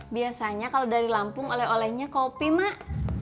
biasanya kalau dari lampung oleh olehnya kopi mak